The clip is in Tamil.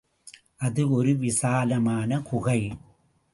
அது ஒரு விசாலமான குகை.